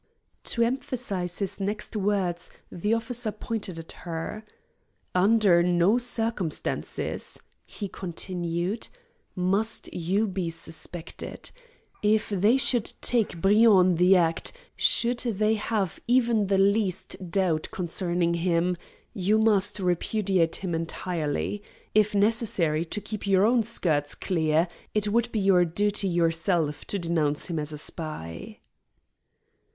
To emphasize his next words the officer pointed at her: "Under no circumstances," he continued, "must you be suspected. If they should take Briand in the act, should they have even the least doubt concerning him, you must repudiate him entirely. If necessary, to keep your own skirts clear, it would be your duty yourself to denounce him as a spy."